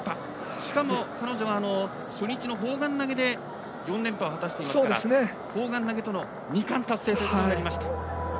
しかも彼女は初日の砲丸投げで４連覇を果たしていますから砲丸投げとの２冠達成となりました。